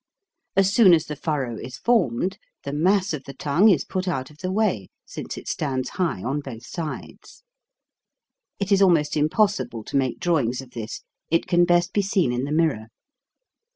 As soon as the furrow is formed, the mass of the tongue is put out of the way, since it stands high on both sides. It is almost im possible to make drawings of this; it can best be seen in the mirror.